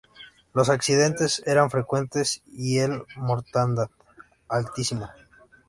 Los accidentes eran frecuentes y al mortandad altísima.